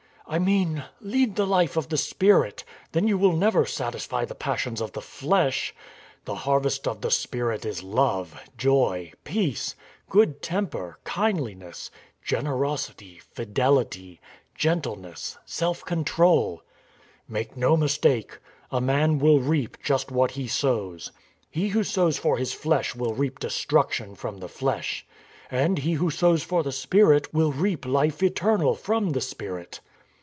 " I mean, lead the Hfe of the Spirit; then you will never satisfy the passions of the flesh. ... The harvest of the Spirit is love, joy, peace, good temper, kindliness, generosity, fidelity, gentleness, self con trol. " Make no mistake ... A man will reap just what he sows; he who sows for his flesh will reap destruction from the flesh, and he who sows for the Spirit will reap life eternal from the Spirit.